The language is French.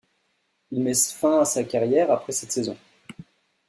Il met fin à sa carrière après cette saison.